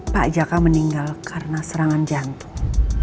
pak jaka meninggal karena serangan jantung